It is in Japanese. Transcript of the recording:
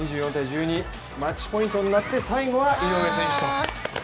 マッチポイントになって最後は井上選手と。